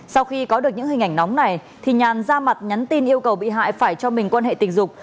sau khi có được những hình ảnh nóng này thì nhàn ra mặt nhắn tin yêu cầu bị hại phải cho mình quan hệ tình dục